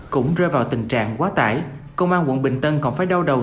cũng rơi vào tình trạng quá tải công an quận bình tân còn phải đau đầu